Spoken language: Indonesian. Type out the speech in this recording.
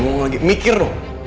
ini belum lagi mikir dong